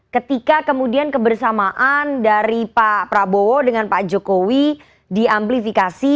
ketika kemudian kebersamaan dari pak prabowo dengan pak jokowi diamplifikasi